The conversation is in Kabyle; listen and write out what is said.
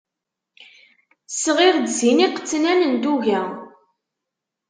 Sɣiɣ-d sin iqetnan n tuga.